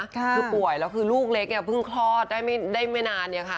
คือป่วยแล้วคือลูกเล็กเพิ่งคลอดได้ไม่นาน